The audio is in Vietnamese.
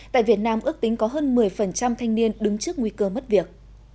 tại việt nam ước tính có hơn một mươi thanh niên đứng trước nguy cơ mất việc